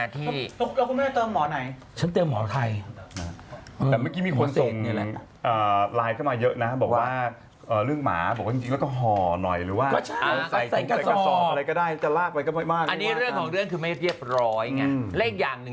คุณไม่ได้เติมหมอไหน